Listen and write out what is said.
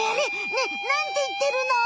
ねえなんていってるの？